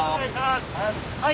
はい。